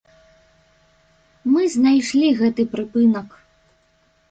Мы знайшлі гэты прыпынак.